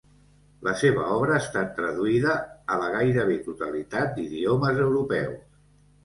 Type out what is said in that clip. La seva obra ha estat traduïda a la gairebé totalitat d'idiomes europeus.